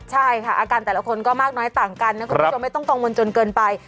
ใช่ค่ะอาการแต่ละคนก็มากน้อยต่างกันนะคุณผู้ชมไม่ต้องกังวลจนเกินไป